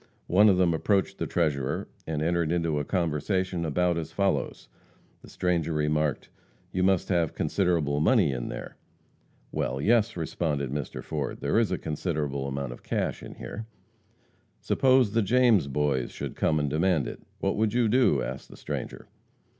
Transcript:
One of them approached the treasurer, and entered into a conversation about as follows: The stranger remarked, "You must have considerable money in there?" "Well, yes," responded Mr. Ford. "There is a considerable amount of cash in here." "Suppose the James Boys should come and demand it; what would you do?" asked the stranger.